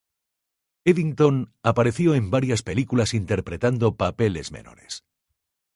Eddington apareció en varias películas interpretando papeles menores.